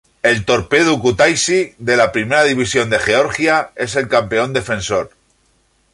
El Torpedo Kutaisi de la Primera División de Georgia es el campeón defensor.